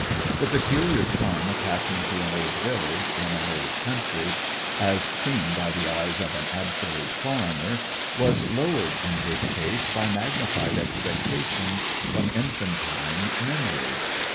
The peculiar charm attaching to an old village in an old country, as seen by the eyes of an absolute foreigner, was lowered in his case by magnified expectations from infantine memories.